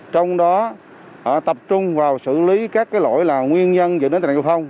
trong đó tập trung vào xử lý các lỗi nguyên nhân dẫn đến tài năng giao thông